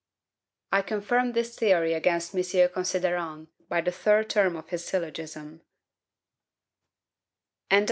I confirm this theory against M. Considerant, by the third term of his syllogism: Conclusion.